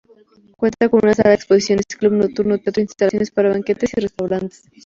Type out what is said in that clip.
Cuenta con una sala de exposiciones, club nocturno, teatro, instalaciones para banquetes y restaurantes.